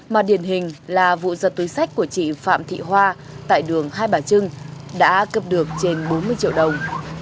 mà điển hình là vụ giật túi sách của chị phạm thị hoa tại đường hai bà trưng đã cấp được trên bốn mươi triệu đồng